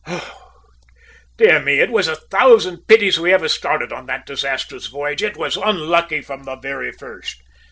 Oh dear me! It was a thousand pities we ever started on that disastrous voyage. It was unlucky from the very first!"